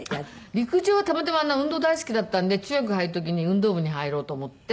陸上はたまたま運動大好きだったんで中学入る時に運動部に入ろうと思って。